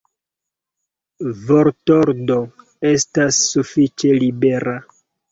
Vortordo estas sufiĉe libera.